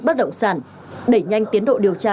bất động sản đẩy nhanh tiến độ điều tra